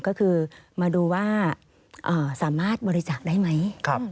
ก็คือมาดูว่าสามารถบริจาคได้ไหม